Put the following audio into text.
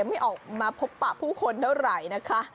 ไม่ออกมาพบปะผู้คนเท่าไหร่นะคะ